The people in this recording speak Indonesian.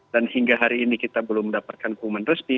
dan hingga hari ini kita belum mendapatkan pengumuman resmi